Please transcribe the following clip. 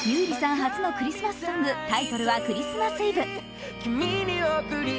初のクリスマスソングタイトルは「クリスマスイブ」。